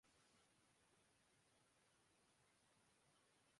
film ’Rahbara‘ کی release کو بھی